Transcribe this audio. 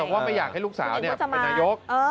ว่าไม่อยากให้ลูกสาวเป็นนายก